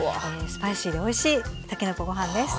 スパイシーでおいしいたけのこご飯です。